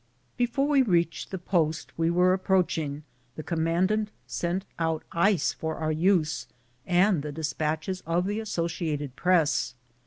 Before we reached the post we were approaching, the commandant sent out ice for our use, and the despatches of the Associated Press.